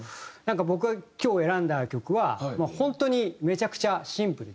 僕が今日選んだ曲は本当にめちゃくちゃシンプルで。